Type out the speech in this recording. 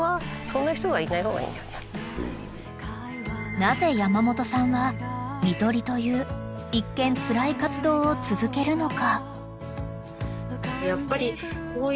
［なぜ山本さんは看取りという一見つらい活動を続けるのか］